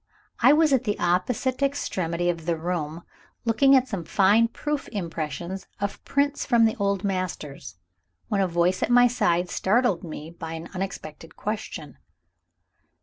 I was at the opposite extremity of the room, looking at some fine proof impressions of prints from the old masters, when a voice at my side startled me by an unexpected question.